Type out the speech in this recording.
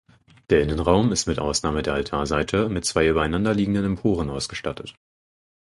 Der Innenraum ist mit Ausnahme der Altarseite mit zwei übereinanderliegenden Emporen ausgestattet.